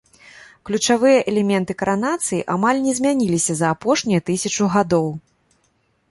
Ключавыя элементы каранацыі амаль не змяніліся за апошнія тысячу гадоў.